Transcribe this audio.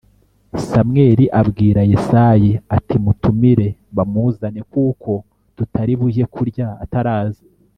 Samweli abwira Yesayi ati “Mutumire bamuzane, kuko tutari bujye kurya ataraza.”